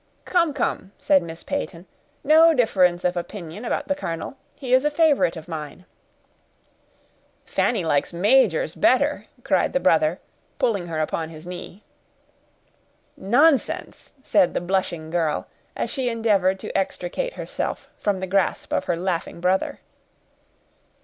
"Come, come," said Miss Peyton, "no difference of opinion about the colonel—he is a favorite of mine." "Fanny likes majors better," cried the brother, pulling her upon his knee. "Nonsense!" said the blushing girl, as she endeavored to extricate herself from the grasp of her laughing brother.